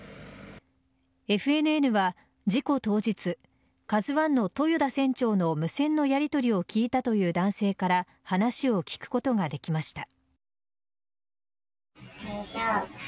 ＦＮＮは事故当日「ＫＡＺＵ１」の豊田船長の無線でやりとりを聞いたという男性から話を聞くことができました。